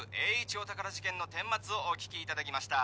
お宝事件の顛末をお聞きいただきました